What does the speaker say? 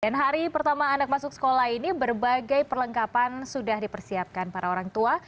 dan hari pertama anak masuk sekolah ini berbagai perlengkapan sudah dipersiapkan para orang tua